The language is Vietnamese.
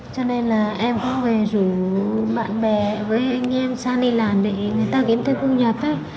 cho nên là em có về rủ bạn bè với anh em sang đi làm để người ta kiếm thêm cung nhạc á